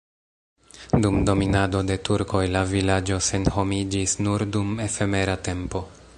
Dum dominado de turkoj la vilaĝo senhomiĝis nur dum efemera tempo.